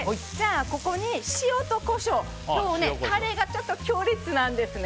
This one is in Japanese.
ここに塩とコショウタレが強烈なんですね。